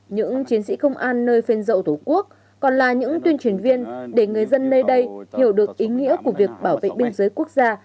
những chiến sĩ công an nơi phên dậu tổ quốc còn là những tuyên truyền viên để người dân nơi đây hiểu được ý nghĩa của việc bảo vệ biên giới quốc gia